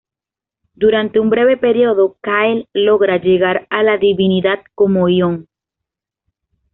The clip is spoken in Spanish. Durante un breve período, Kyle logra llegar a la divinidad como Ion.